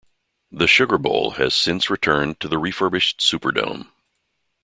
The Sugar Bowl has since returned to the refurbished Superdome.